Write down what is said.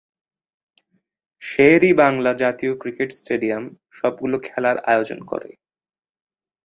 শের-ই-বাংলা জাতীয় cricket stadium সব গুলো খেলার আয়োজন করে।